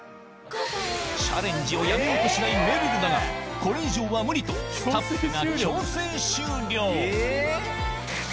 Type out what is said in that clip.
チャレンジをやめようとしないめるるだがこれ以上は無理とスタッフが強制終了